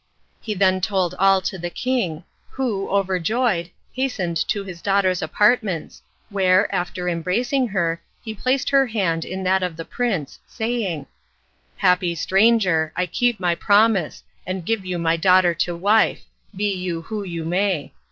He then told all to the king, who, overjoyed, hastened to his daughter's apartments, where, after embracing her, he placed her hand in that of the prince, saying: "Happy stranger, I keep my promise, and give you my daughter to wife, be you who you may.